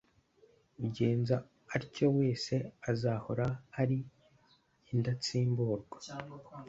Ugenza atyo wese azahora ari indatsimburwa